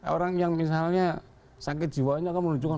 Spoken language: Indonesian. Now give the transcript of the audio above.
orang yang misalnya sakit jiwanya akan menunjukkan